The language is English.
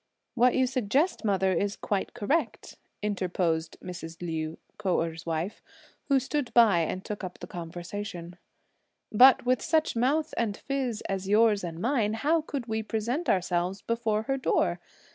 "What you suggest, mother, is quite correct," interposed Mrs. Liu, Kou Erh's wife, who stood by and took up the conversation, "but with such mouth and phiz as yours and mine, how could we present ourselves before her door?